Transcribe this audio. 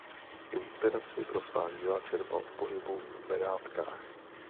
Inspiraci pro svá díla čerpal z pobytu v Benátkách.